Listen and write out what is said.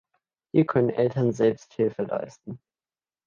Hier können Eltern Selbsthilfe leisten.